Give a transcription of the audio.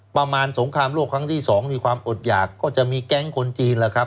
สงครามโลกครั้งที่สองมีความอดหยากก็จะมีแก๊งคนจีนล่ะครับ